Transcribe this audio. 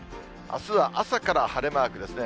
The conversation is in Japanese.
あすは朝から晴れマークですね。